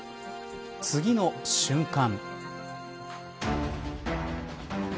次の瞬間。